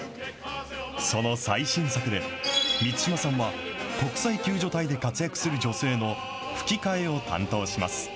その最新作で、満島さんは、国際救助隊で活躍する女性の吹き替えを担当します。